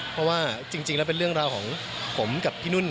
เพราะว่าจริงแล้วเป็นเรื่องราวของผมกับพี่นุ่น